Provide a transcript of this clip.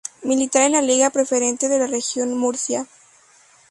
Milita en la Liga Preferente de la Región de Murcia.